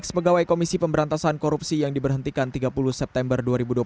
dua ratus pegawai komisi pemberantasan korupsi yang diberhentikan tiga puluh september dua ribu dua puluh